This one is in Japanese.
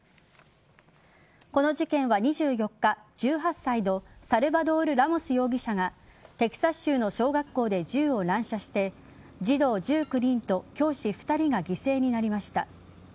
この事件は２４日１８歳のサルバドール・ラモス容疑者がテキサス州の小学校で銃を乱射して児童１９人と教師２人が犠牲になりました。